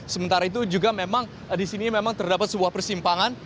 sementara itu juga memang di sini memang terdapat sebuah persimpangan